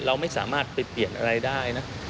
เราไม่สามารถไปเปลี่ยนอะไรได้นะ